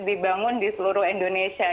dibangun di seluruh indonesia